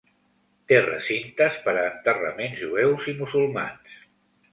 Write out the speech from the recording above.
Té recintes per a enterraments jueus i musulmans.